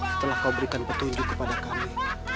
setelah kau berikan petunjuk kepada kami